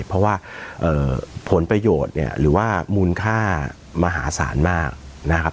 เพราะว่าผลประโยชน์เนี่ยหรือว่ามูลค่ามหาศาลมากนะครับ